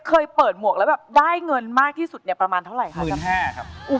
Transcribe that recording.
เคยเปิดหมวกแล้วได้เงินมากที่สุดประมาณเท่าไหร่ครับ